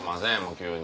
急に。